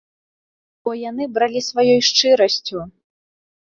Бо яны бралі сваёй шчырасцю.